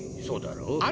そうだろう？